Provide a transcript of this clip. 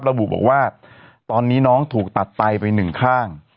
ระบุบอกว่าตอนนี้น้องถูกตัดไตไปหนึ่งข้าง